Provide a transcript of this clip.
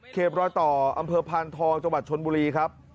รอยต่ออำเภอพานทองจังหวัดชนบุรีครับ